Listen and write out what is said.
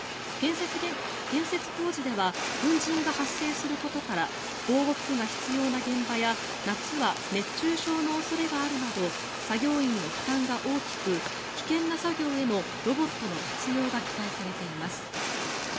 建設工事では粉じんが発生することから防護服が必要な現場や夏は熱中症の恐れがあるなど作業員の負担が大きく危険な作業へのロボットの活用が期待されています。